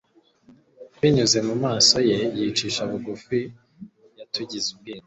binyuze mu maso ye yicisha bugufi, yatugize ubwenge